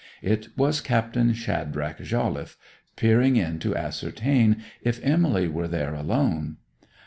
It was Captain Shadrach Jolliffe, peering in to ascertain if Emily were there alone.